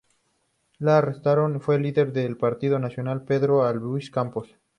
El arrestado fue el líder de Partido Nacionalista Pedro Albizu Campos.